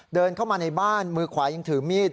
เดินเข้ามาในบ้านมือขวายังถือมีด